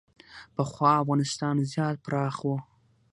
پخوا افغانستان زیات پراخ و